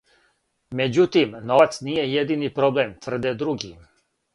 Међутим, новац није једини проблем, тврде други.